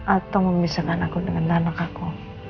atau memisahkan aku dengan anak aku